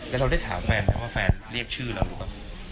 แล้วเราได้ถามแฟนไหมว่าแฟนเรียกชื่อเราหรือเปล่า